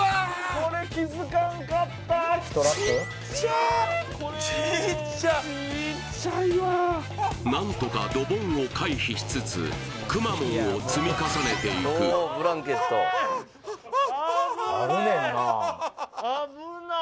これちっちゃいわ何とかドボンを回避しつつくまモンを積み重ねていく危ねえ危なっ！